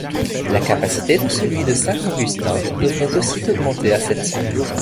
La capacité de celui de Saint-Augustin devrait aussi augmenter à sept cent.